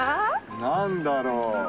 何だろう？